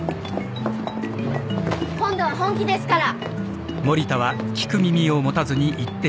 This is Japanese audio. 今度は本気ですから！